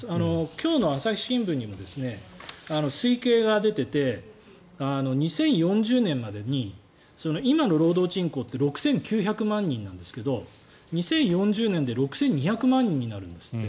今日の朝日新聞にも推計が出ていて２０４０年までに今の労働人口って６９００万人なんですけど２０４０年で６２００万人になるんですって。